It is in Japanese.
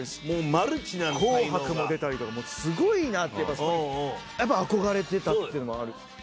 『紅白』も出たりとかもうすごいなってやっぱり憧れてたっていうのもある。